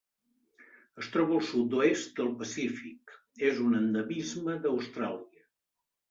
Es troba al sud-oest del Pacífic: és un endemisme d'Austràlia.